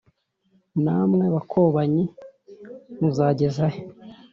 Namwe bakobanyi muzagezahe